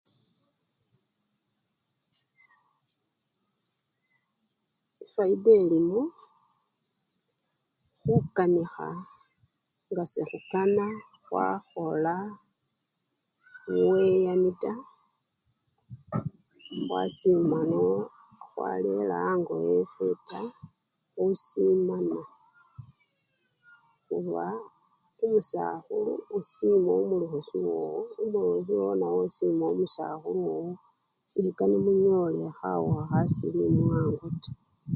Efayida elimo, khukanikha nga sekhukana khwakhola buyeyani taa khwasima noo khwarera ango wefwe taa, khusimana khuba omusakhulu osima omulosi wowo, omulosi nawe wasima omusakhulu wowo, sekanemunyole khawukha khasilimu ango taa.